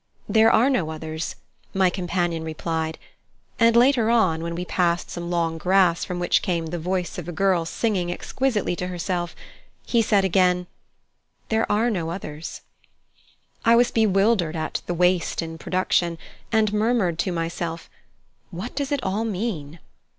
"There are no others," my companion replied; and, later on, when we passed some long grass from which came the voice of a girl singing exquisitely to herself, he said again: "There are no others." I was bewildered at the waste in production, and murmured to myself, "What does it all mean?"